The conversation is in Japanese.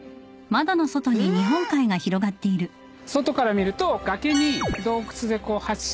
外から見ると崖に洞窟で８室。